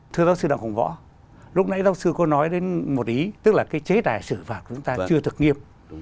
thưa giáo sư đặng hùng võ lúc nãy giáo sư có nói đến một ý tức là cái chế tài xử phạt của chúng ta chưa thực nghiệp